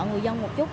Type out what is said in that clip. người dân một chút